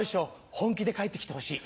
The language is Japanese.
本気で帰ってきてほしい。